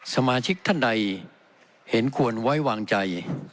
สมาชิกท่านใดเห็นควรไว้วางใจ